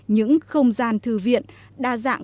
những không gian thư viện đa dạng